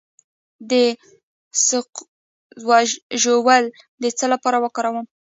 د سقز ژوول د څه لپاره وکاروم؟